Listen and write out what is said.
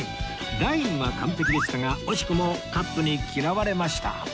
ラインは完璧でしたが惜しくもカップに嫌われました